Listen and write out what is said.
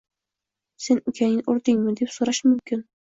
“Sen ukangni urdingmi?”, deb so‘rash mumkin